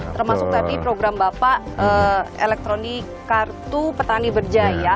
termasuk tadi program bapak elektronik kartu petani berjaya